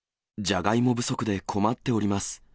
じゃがいも不足で困っております。